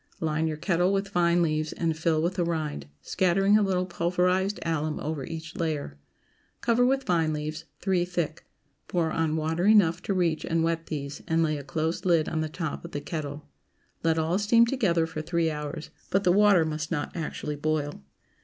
Line your kettle with vine leaves and fill with the rind, scattering a little pulverized alum over each layer. Cover with vine leaves, three thick; pour on water enough to reach and wet these, and lay a close lid on the top of the kettle. Let all steam together for three hours; but the water must not actually boil.